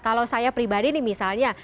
kalau saya pribadi nih misalnya